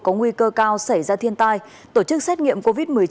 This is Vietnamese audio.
có nguy cơ cao xảy ra thiên tai tổ chức xét nghiệm covid một mươi chín